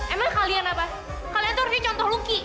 emang kalian apa kalian tuh harusnya contoh lucky